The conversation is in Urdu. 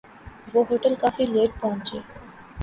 وہ ہوٹل کافی لیٹ پہنچی